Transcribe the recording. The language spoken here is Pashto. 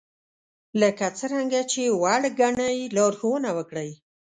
لکه څرنګه چې وړ ګنئ لارښوونه وکړئ